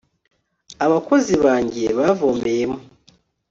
abakozi banjye bavomeyemo